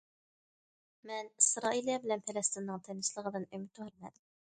مەن ئىسرائىلىيە بىلەن پەلەستىننىڭ تىنچلىقىدىن ئۈمىدۋارمەن.